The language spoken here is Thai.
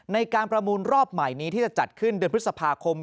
ในการประมูลรอบใหม่นี้ที่จะจัดขึ้นเดือนพฤษภาคม